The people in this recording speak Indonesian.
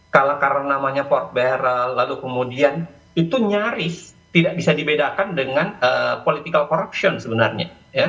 karena namanya port barrel lalu kemudian itu nyaris tidak bisa dibedakan dengan political corruption sebenarnya